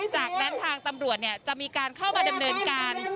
จากนั้นทางตำรวจจะมีการเข้ามาดำเนินการ